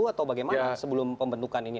atau bagaimana sebelum pembentukan ini